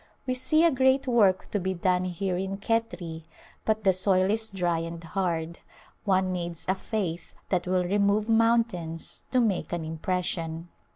We see a great work to be done here in Khetri but the soil is dry and hard ; one needs a faith that will re move mountains to make an impression.